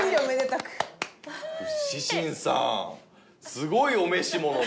すごいお召し物で。